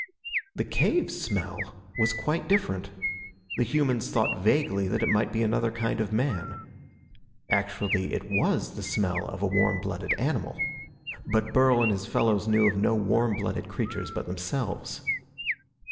The cave's smell was quite different. The humans thought vaguely that it might be another kind of man. Actually, it was the smell of a warm blooded animal. But Burl and his fellows knew of no warm blooded creatures but themselves.